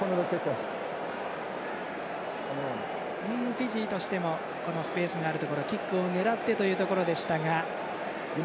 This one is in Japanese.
フィジーとしてもスペースがあるところをキックを狙ってというところでしたが。